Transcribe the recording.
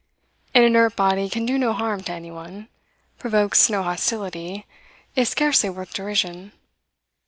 An inert body can do no harm to anyone, provokes no hostility, is scarcely worth derision.